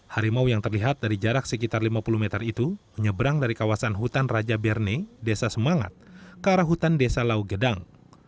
harimau yang terlihat dari jarak sekitar lima puluh meter itu menyeberang dari kawasan hutan raja berne desa semangat ke arah hutan desa laugedang